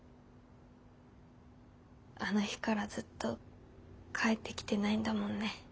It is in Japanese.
あの日からずっと帰ってきてないんだもんね